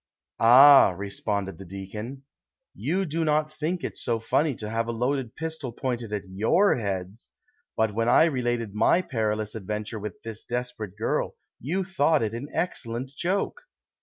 "Ah !" responded the deacon ; "you do not think it so funny to have a loaded pistol pointed at yotir heads ; but, When I related my perilous adventure with this desperate girl, you thought it an excellent joke